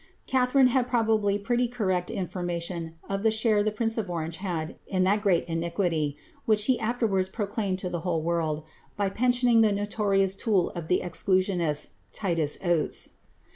Catharine had probably prettj corriTt information of the share tiie prince of Orange had in that gnst inlijuity, which lie afterwards proclaimed to the whole world, by pes* sionini; tlie notorious ti>ol of tlie exclusionists, Titus Oates.